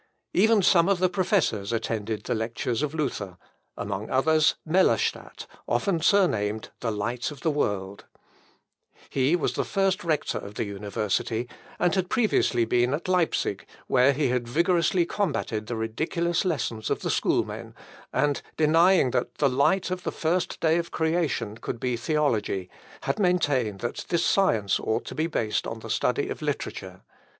Even some of the professors attended the lectures of Luther, among others, Mellerstadt, often surnamed, "The Light of the World." He was the first rector of the university, and had previously been at Leipsic, where he had vigorously combated the ridiculous lessons of the schoolmen, and denying that "the light of the first day of creation could be theology," had maintained that this science ought to be based on the study of literature.